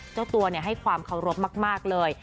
เจ้าตัวให้ความเคารพมากเลย